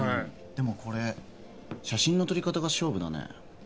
でもこれ写真の撮り方が勝負だね